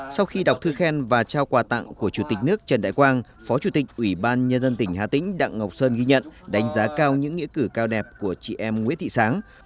sau khi đọc thư khen và trao quà tặng của chủ tịch nước trần đại quang phó chủ tịch ủy ban nhân dân tỉnh hà tĩnh đặng ngọc sơn ghi nhận đánh giá cao những nghĩa cử cao đẹp của chị em nguyễn thị sáng